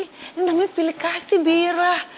ini namanya pilih kasih birah